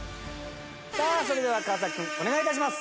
さあそれでは川君お願い致します。